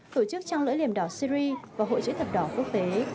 tổ chức trăng lưỡi liềm đỏ syri và hội chữ thập đỏ quốc tế